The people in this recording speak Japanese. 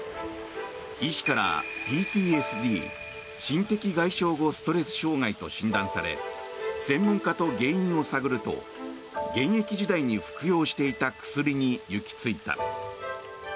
医師からＰＴＳＤ・心的外傷後ストレス障害と診断され専門家と原因を探ると現役時代に服用していた薬に行き着いた。